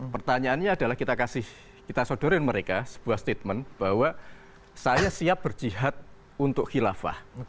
pertanyaannya adalah kita kasih kita sodorin mereka sebuah statement bahwa saya siap berjihad untuk khilafah